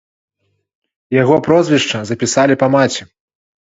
Яго прозвішча запісалі па маці.